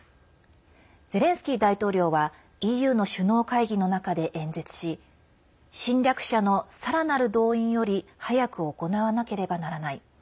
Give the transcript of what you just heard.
ゼレンスキー大統領はＥＵの首脳会議の中で演説し侵略者のさらなる動員より早く行わなければならない。